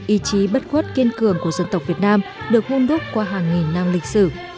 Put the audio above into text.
ý chí bất khuất kiên cường của dân tộc việt nam được hôn đúc qua hàng nghìn năm lịch sử